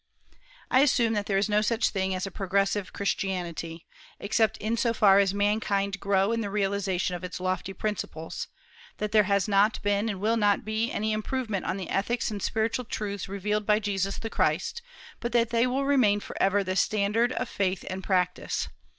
I assume that there is no such thing as a progressive Christianity, except in so far as mankind grow in the realization of its lofty principles; that there has not been and will not be any improvement on the ethics and spiritual truths revealed by Jesus the Christ, but that they will remain forever the standard of faith and practice.